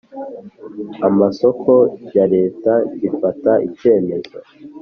Amasoko ya leta gifata icyemezo